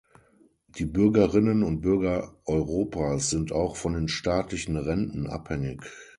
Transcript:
Die Bürgerinnen und Bürger Europas sind auch von den staatlichen Renten abhängig.